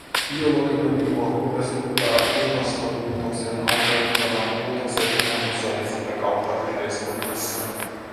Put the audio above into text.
Biologina minua huolestuttaa ilmastonmuutoksen aiheuttamat muutokset luonnossa ja sitä kautta yhteiskunnassa.